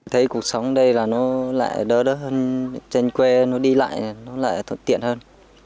thấy cuộc sống ở đây là nó lại đỡ hơn trên quê nó đi lại nó lại thuận tiện hơn